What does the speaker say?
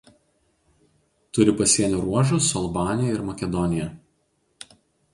Turi pasienio ruožus su Albanija ir Makedonija.